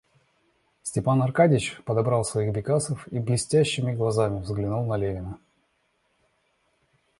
Степан Аркадьич подобрал своих бекасов и блестящими глазами взглянул на Левина.